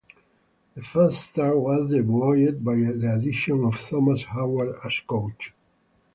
The fast start was then buoyed by the addition of Thomas Howard as coach.